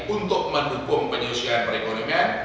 untuk mendukung penyelesaian perekonomian